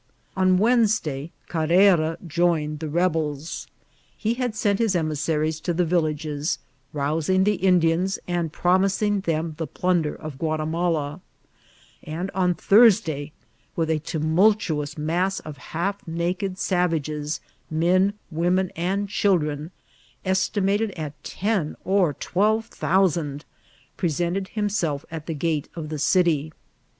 On Wednesday Carrara joined the rebels. He had sent his emissaries to the villages, rousing the Indians, and promising them the plunder of Guatimala ; and on Thursday, with a tmnultuous mass of half naked sava ges, men, women, and children, estimated at ten or twelve thousand, presented himself at the gate of the city.